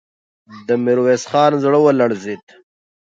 د ميرويس خان زړه ولړزېد.